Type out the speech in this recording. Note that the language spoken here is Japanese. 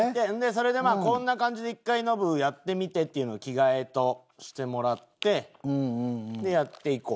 それでこんな感じで１回ノブやってみてっていうのを着替えとしてもらってやっていこう。